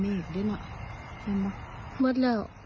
มัดแล้ว